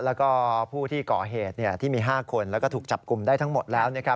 แล้วก็ผู้ที่ก่อเหตุที่มี๕คนแล้วก็ถูกจับกลุ่มได้ทั้งหมดแล้ว